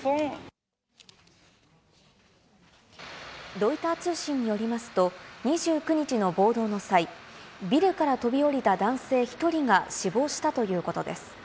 ロイター通信によりますと、２９日の暴動の際、ビルから飛び降りた男性１人が死亡したということです。